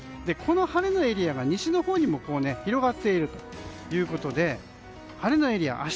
この晴れのエリアが西のほうにも広がっているということで晴れのエリア